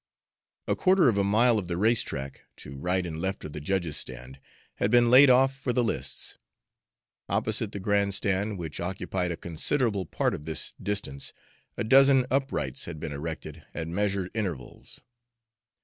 A quarter of a mile of the race track, to right and left of the judges' stand, had been laid off for the lists. Opposite the grand stand, which occupied a considerable part of this distance, a dozen uprights had been erected at measured intervals.